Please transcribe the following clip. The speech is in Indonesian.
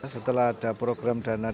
setelah ada program di bumdes kertora harjo